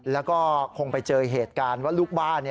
แล้วก็คงไปเจอเหตุการณ์ว่าลูกบ้าน